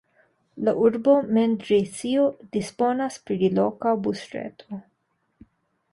La urbo Mendrisio disponas pri loka busreto.